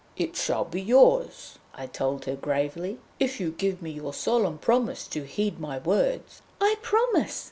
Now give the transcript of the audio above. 'It shall be yours,' I told her gravely, 'if you give me your solemn promise to heed my words.' 'I promise!'